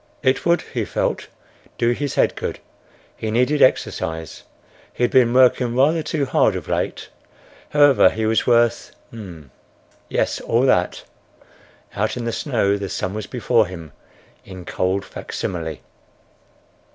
It would, he felt, do his head good. He needed exercise. He had been working rather too hard of late. However, he was worth—yes, all that!—Out in the snow the sum was before him in cold facsimile.